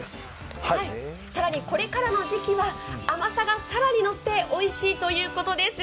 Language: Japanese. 更にこれからの時期は甘さが更にのっておいしいということです。